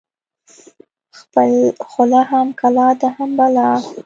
ـ خپله خوله هم کلا ده هم بلا ده.